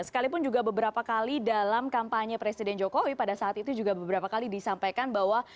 sekalipun juga beberapa kali dalam kampanye presiden jokowi pada saat itu juga beberapa kali disampaikan bahwa